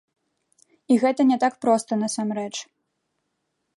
І гэта не так проста насамрэч.